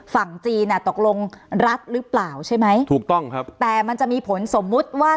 ฝั่งจีนอ่ะตกลงรัฐหรือเปล่าใช่ไหมถูกต้องครับแต่มันจะมีผลสมมุติว่า